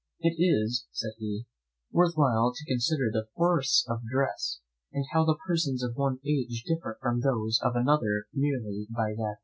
"It is," said he, "worth while to consider the force of dress; and how the persons of one age differ from those of another, merely by that only.